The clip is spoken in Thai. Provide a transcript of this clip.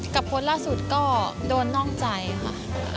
โพสต์ล่าสุดก็โดนนอกใจค่ะ